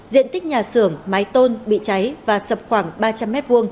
diện tích nhà xưởng mái tôn bị cháy và sập khoảng ba trăm linh m hai